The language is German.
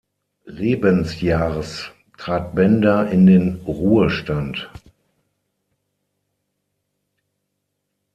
Lebensjahrs trat Bender in den Ruhestand.